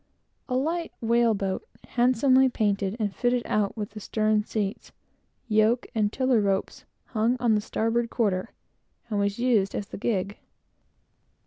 A light whale boat, handsomely painted, and fitted out with stern seats, yoke, tiller ropes, etc., hung on the starboard quarter, and was used as the gig.